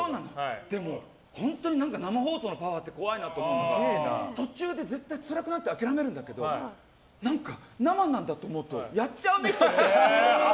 でも本当に生放送のパワーって怖いなと思うのが途中で絶対つらくなって諦めるんだけど何か、生なんだと思うとやっちゃうね。